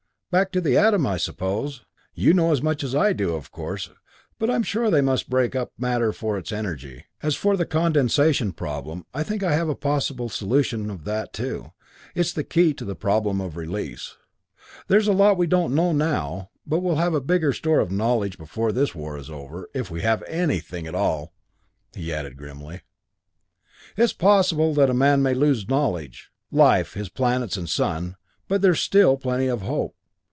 Back to the atom, I suppose." "You know as much as I do, of course, but I'm sure they must break up matter for its energy. As for the condensation problem, I think I have a possible solution of that too it's the key to the problem of release. There's a lot we don't know now but we'll have a bigger store of knowledge before this war is over if we have anything at all!" he added grimly. "It's possible that man may lose knowledge, life, his planets and sun but there's still plenty of hope.